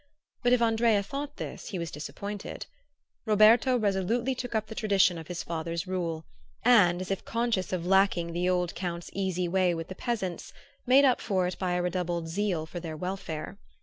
But if Andrea thought this he was disappointed. Roberto resolutely took up the tradition of his father's rule, and, as if conscious of lacking the old Count's easy way with the peasants, made up for it by a redoubled zeal for their welfare.